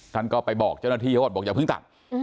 ท่านก็ไปบอกเจ้าหน้าที่เขาบอกอย่าเพิ่งตัด